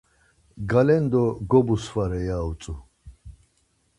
Galendo gobusvare ya utzu.